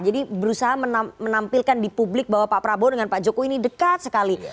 jadi berusaha menampilkan di publik bahwa pak prabowo dengan pak jokowi ini dekat sekali